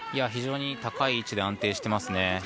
非常に高い位置で安定していますね。